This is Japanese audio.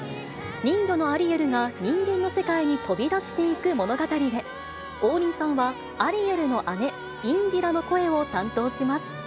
人魚のアリエルが人間の世界に飛び出していく物語で、王林さんは、アリエルの姉、インディラの声を担当します。